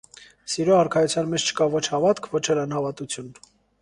Սիրո արքայության մեջ չկա ոչ հավատք, ոչ էլ անհավատություն։